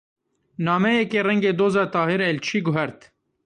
Nameyekê rengê doza Tahir Elçî guhert.